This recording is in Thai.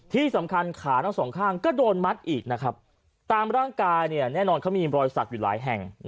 ที่สำคัญขาทั้งสองข้างก็โดนมัดอีกนะครับตามร่างกายเนี่ยแน่นอนเขามีรอยสักอยู่หลายแห่ง